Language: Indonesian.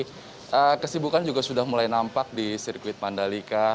jadi kesibukan juga sudah mulai nampak di sirkuit mandalika